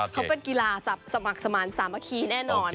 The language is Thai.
เขาเป็นกีฬาสมัครสมาธิสามัคคีแน่นอน